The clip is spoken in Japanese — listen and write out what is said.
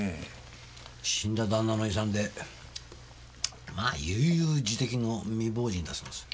死んだ旦那の遺産で悠々自適の未亡人だそうです。